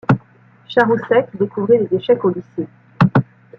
Charousek découvrit les échecs au lycée.